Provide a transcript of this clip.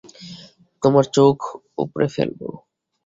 তোমার চোখ উপড়ে ফেলবো?